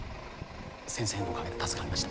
先生のおかげで助かりました。